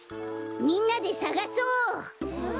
みんなでさがそう！